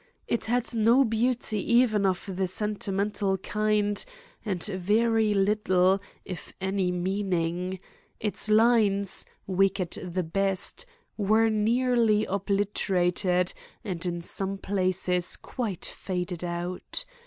It had no beauty even of the sentimental kind and very little, if any, meaning. Its lines, weak at the best, were nearly obliterated and in some places quite faded out.